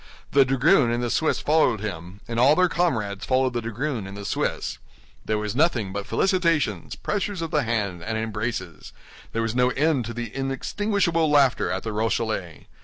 The dragoon and the Swiss followed him, and all their comrades followed the dragoon and the Swiss. There was nothing but felicitations, pressures of the hand, and embraces; there was no end to the inextinguishable laughter at the Rochellais.